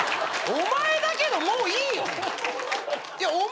お前だけどもういいよ！